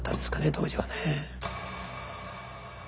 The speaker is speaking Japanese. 当時はね。